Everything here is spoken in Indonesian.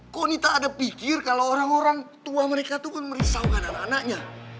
kok ini tak ada pikir kalau orang orang tua mereka itu kan merisaukan anak anaknya